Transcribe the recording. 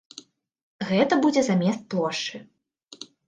Гэта будзе замест плошчы.